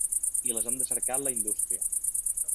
I les hem de cercar en la indústria.